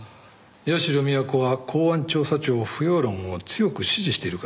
社美彌子は公安調査庁不要論を強く支持しているからね。